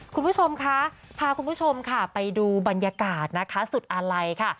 คุณผู้ชมคะพาคุณผู้ชมค่ะไปดูบรรยากาศนะคะสุดอาลัยค่ะ